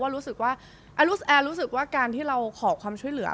รู้สึกว่าการที่เราขอความช่วยเหลือ